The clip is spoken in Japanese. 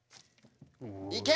いけ！